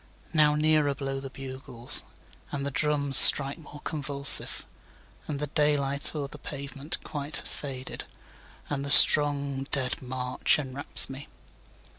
6Now nearer blow the bugles, And the drums strike more convulsive; And the day light o'er the pavement quite has faded, And the strong dead march enwraps me.